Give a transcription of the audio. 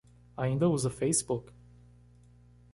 Ainda usa Facebook?